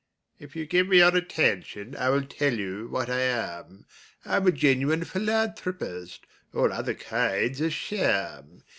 If you give me your attention, I will tell you what I am: I'm a genuine philanthropist all other kinds are sham.